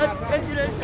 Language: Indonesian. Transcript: pak pak pak